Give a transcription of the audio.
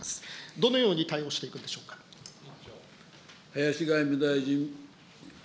どのように対応していくでしょう林外務大臣。